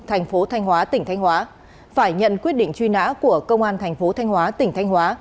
tp thanh hóa tỉnh thanh hóa phải nhận quyết định truy nã của công an tp thanh hóa tỉnh thanh hóa